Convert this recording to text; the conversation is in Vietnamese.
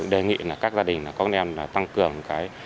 đề nghị các gia đình có con em tăng cường